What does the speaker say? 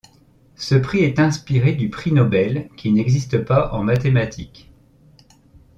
Ce prix est inspiré du prix Nobel, qui n'existe pas en mathématiques.